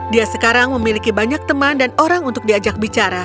dia sekarang memiliki banyak teman dan orang untuk diajak bicara